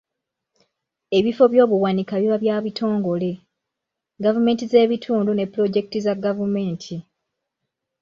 Ebifo by'obuwanika biba bya bitongole, gavumenti z'ebitundu ne pulojekiti za gavumenti.